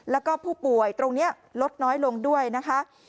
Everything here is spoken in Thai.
แล้วก็ผู้ป่วยตรงนี้ลดน้อยลงด้วยนะคะ